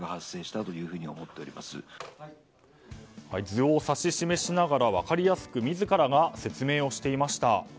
図を指し示しながら分かりやすく自らが説明をしていました。